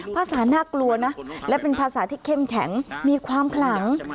ภาษาน่ากลัวนะและเป็นภาษาที่เข้มแข็งมีความขลัง